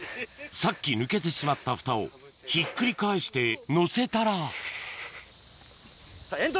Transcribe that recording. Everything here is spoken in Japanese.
さっき抜けてしまったフタをひっくり返してのせたらさぁ煙突！